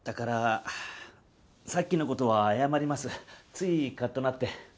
ついカッとなって。